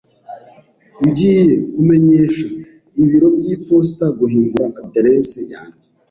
Ngiye kumenyesha ibiro by'iposita guhindura adresse yanjye.